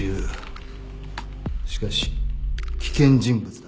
しかし危険人物だ。